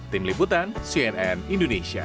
tim liputan cnn indonesia